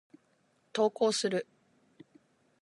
投稿する。